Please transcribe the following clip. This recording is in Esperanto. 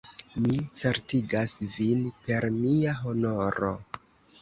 Mi certigas vin per mia honoro!